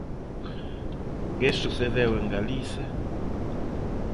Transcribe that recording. ¿Que sucedeu en Galiza?